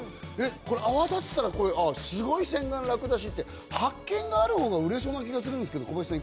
これ泡立てたらすごい洗顔楽だしって発見がある方が売れそうな気がするんですけど小林さん